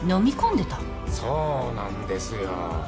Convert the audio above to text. そうなんですよ